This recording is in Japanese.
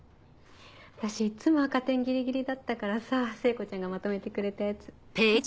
私いっつも赤点ギリギリだったからさ聖子ちゃんがまとめてくれたやつ。